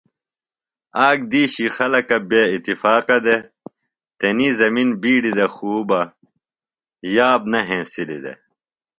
آک دِیشیۡ خلکہ بےاتفاقہ دےۡ۔ تنی زمِن بِیڈیۡ دے خو بہ یاب نہ ہنسِلیۡ دےۡ۔